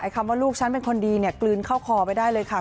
คำว่าลูกฉันเป็นคนดีกลืนเข้าคอไปได้เลยค่ะ